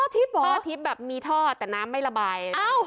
ท่อทิศบับมีท่อแต่น้ำไม่ระบาย